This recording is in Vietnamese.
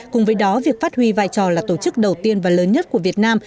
cùng với đó việc phát huy vai trò là tổ chức đầu tiên và lớn nhất của việt nam